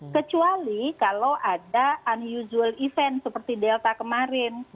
kecuali kalau ada event yang tidak biasa seperti delta kemarin